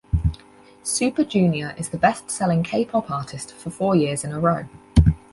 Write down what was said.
Super Junior is the best-selling K-pop artist for four years in a row.